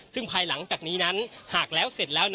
ซึ่งภายหลังจากนี้นั้นหากแล้วเสร็จแล้ว